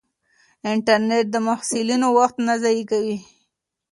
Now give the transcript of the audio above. انټرنیټ د محصلینو وخت نه ضایع کوي.